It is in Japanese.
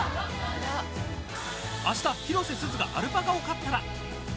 明日、広瀬すずがアルパカを飼ったら。